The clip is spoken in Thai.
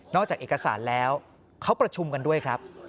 จากเอกสารแล้วเขาประชุมกันด้วยครับ